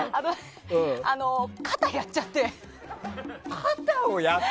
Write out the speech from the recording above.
肩やっちゃって。